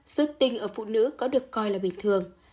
ba xuất tinh ở phụ nữ có được coi là bình thường